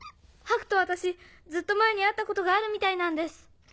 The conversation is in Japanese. ハクと私ずっと前に会ったことがあるみたいなんです。